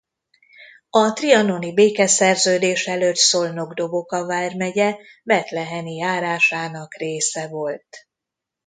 A trianoni békeszerződés előtt Szolnok-Doboka vármegye Bethleni járásának része volt.